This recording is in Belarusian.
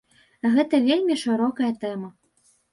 Гэта вельмі шырокая тэма.